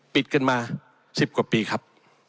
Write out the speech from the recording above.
ปิดกันมา๑๐กว่าปีครับ